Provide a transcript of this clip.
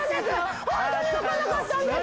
本当に分かんなかったんですよ